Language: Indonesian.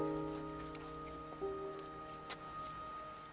selamat tinggal candy